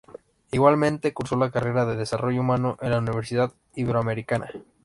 Igualmente, cursó la carrera de desarrollo humano en la Universidad Iberoamericana.